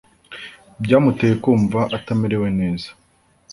byamuteye kumva atamerewe neza